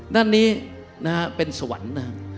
ด้านนี้นะฮะเป็นสวรรค์นะครับ